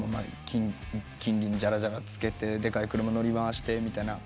「金銀じゃらじゃらつけてでかい車乗り回して」